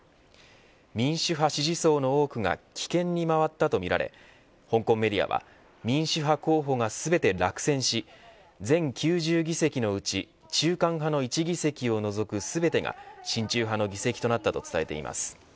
民主派支持層の多くが棄権に回ったとみられ香港メディアは民主派候補が全て落選し全９０議席のうち中間派の１議席を除く全てが親中派の議席となったと伝えています。